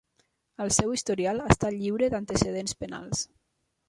El seu historial està lliure d'antecedents penals.